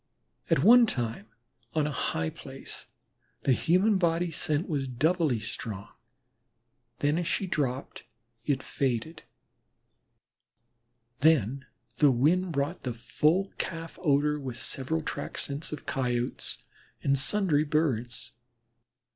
At one time on a high place the human body scent was doubly strong, then as she dropped it faded. Then the wind brought the full calf odor with several track scents of Coyotes and sundry Birds.